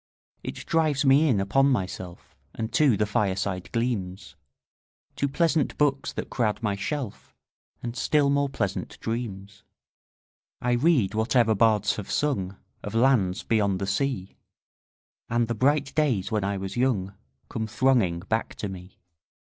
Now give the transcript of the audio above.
It drives me in upon myself 5 And to the fireside gleams, To pleasant books that crowd my shelf, And still more pleasant dreams. I read whatever bards have sung Of lands beyond the sea, 10 And the bright days when I was young Come thronging back to me.